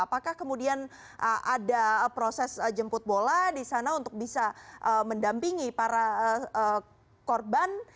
apakah kemudian ada proses jemput bola di sana untuk bisa mendampingi para korban